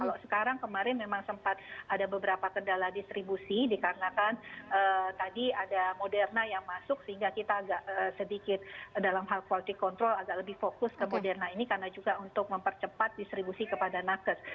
kalau sekarang kemarin memang sempat ada beberapa kendala distribusi dikarenakan tadi ada moderna yang masuk sehingga kita agak sedikit dalam hal quality control agak lebih fokus ke moderna ini karena juga untuk mempercepat distribusi kepada nakes